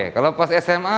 kalau pas sma